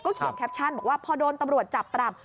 เขียนแคปชั่นบอกว่าพอโดนตำรวจจับปรับ